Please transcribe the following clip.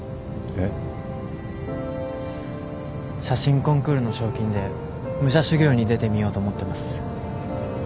写真コンクールの賞金で武者修行に出てみようと思ってます。